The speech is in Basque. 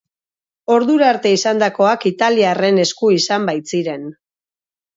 Ordura arte izandakoak italiarren esku izan baitziren.